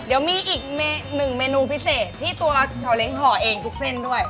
เดี๋ยวมีอีก๑เมนูพิเศษที่ตัวเฉาเล้งห่อเองลูกเพลงด้วย